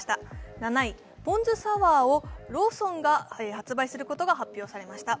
７位、ぽん酢サワーをローソンが発売することが発表されました。